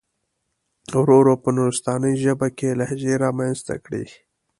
ورو ورو په نورستاني ژبه کې لهجې را منځته کړي.